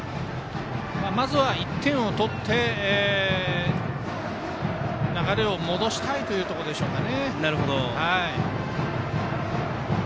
まずは１点を取って流れを戻したいところでしょうか。